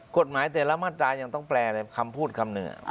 กฎหมายแต่ละมาตรายังต้องแปลเลยคำพูดคำหนึ่ง